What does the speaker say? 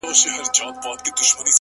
کوم زاهد په يوه لاس ورکړی ډهول دی _